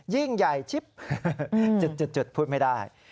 ยิ่งใหญ่ชิปจุดพูดไม่ได้